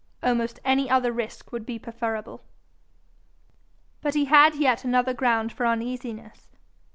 Almost any other risk would be preferable. But he had yet another ground for uneasiness.